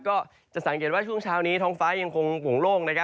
ก็จะสังเกตว่าช่วงเช้านี้ท้องฟ้ายังคงห่วงโล่ง